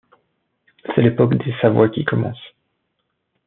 C’est l’époque des Savoie qui commence.